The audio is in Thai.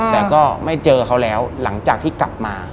แต่ก็ไม่เจอเขาแล้วหลังจากที่กลับมา